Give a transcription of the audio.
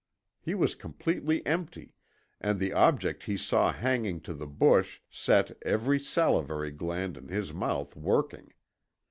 He was completely empty, and the object he saw hanging to the bush set every salivary gland in his mouth working.